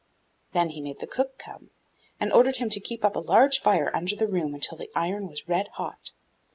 Then he made the cook come, and ordered him to keep up a large fire under the room until the iron was red hot.